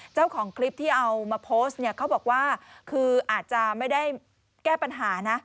เจ้าของคลิปที่เอามาโพสต์เนี่ยเขาบอกว่าคืออาจจะไม่ได้แก้ปัญหานะ